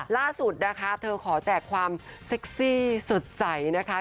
ล่าสุดนะคะเธอขอแจกความเซ็กซี่สดใสนะคะ